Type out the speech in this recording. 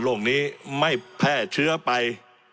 โรคนี้ไม่แพร่เชื้อไป